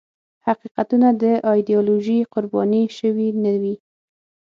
حقیقتونه د ایدیالوژیو قرباني شوي نه وي.